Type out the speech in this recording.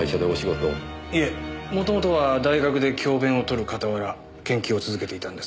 いえもともとは大学で教鞭を執るかたわら研究を続けていたんです。